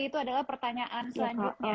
itu adalah pertanyaan selanjutnya